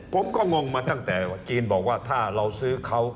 ผมก็งงมาตั้งแต่จีนบอกว่าถ้าเราซื้อเขา